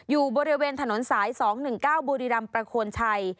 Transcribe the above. อยู่บริเวณถนนสาย๒๑๙บุรีรำประโคนชัย